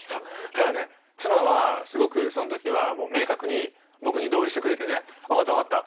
ただね妻はすごくその時は明確に僕に同意してくれてね「分かった分かった。